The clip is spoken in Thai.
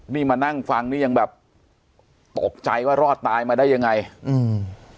นี่มานั่งฟังนี่ยังแบบตกใจว่ารอดตายมาได้ยังไงอืม